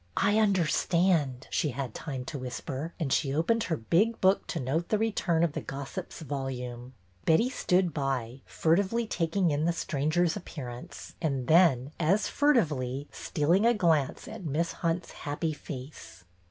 I understand," she had time to whisper, and she opened her big book to note the return of the gossip's volume. Betty stood by, furtively taking in the stranger's appearance, and then as fur tively stealing a glance at Miss Hunt's happy face.